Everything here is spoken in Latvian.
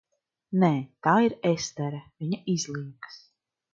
Nē. Tā ir Estere, viņa izliekas.